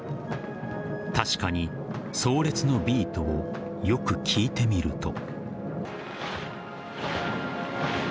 確かに葬列のビートをよく聞いてみると。